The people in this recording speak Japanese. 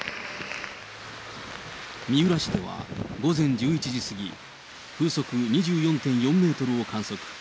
三浦市では午前１１時過ぎ、風速２４．４メートルを観測。